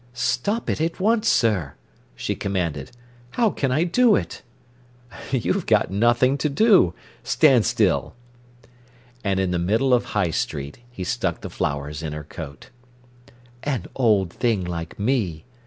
"Stop it at once, sir!" she commanded. "How can I do it?" "You've got nothing to do. Stand still!" And in the middle of High Street he stuck the flowers in her coat. "An old thing like me!"